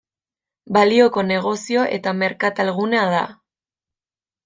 Baliko negozio eta merkatal gunea da.